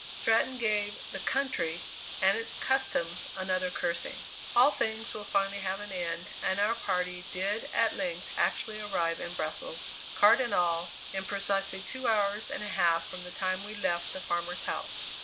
Stratton gave "the country," and its "customs," another cursing. All things will finally have an end, and our party did at length actually arrive in Brussels, cart and all, in precisely two hours and a half from the time we left the farmers house.